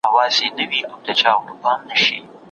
کلیوالي ژوند تر ښاري ژوند ساده دی.